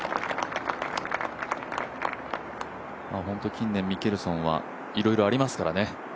近年、ミケルソンはいろいろありますからね。